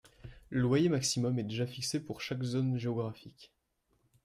Le loyer maximum est déjà fixé pour chaque zone géographique.